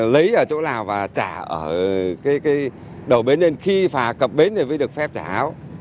lấy ở chỗ nào và trả ở cái đầu bến lên khi phà cập bến thì mới được phép trả áo